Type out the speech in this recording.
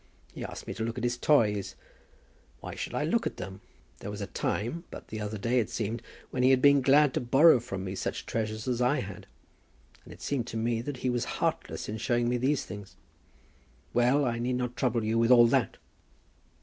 He asked me to look at his toys. Why should I look at them? There was a time, but the other day it seemed, when he had been glad to borrow from me such treasures as I had. And it seemed to me that he was heartless in showing me these things. Well; I need not trouble you with all that."